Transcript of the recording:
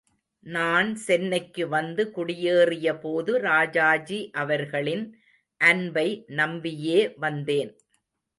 நான் சென்னைக்கு வந்து குடியேறியபோது ராஜாஜி அவர்களின் அன்பை நம்பியே வந்தேன்.